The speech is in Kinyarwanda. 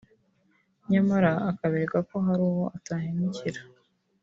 nyamara akabereka ko hari uwo atahemukira